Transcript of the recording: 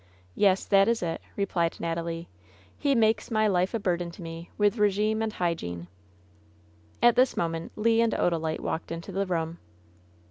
"Yes; that is it," replied Natalie. "He makes my life a burden to me with regime and hygiene." At this moment Le and Odalite walked into the room.